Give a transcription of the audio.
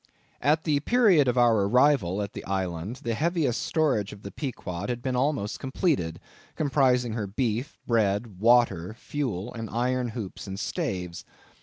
At the period of our arrival at the Island, the heaviest storage of the Pequod had been almost completed; comprising her beef, bread, water, fuel, and iron hoops and staves.